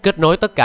kết nối tất cả